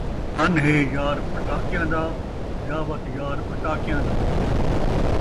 دھن ہے یار پٹاکیاں دا یا وت یار ٻٹاکیاں دا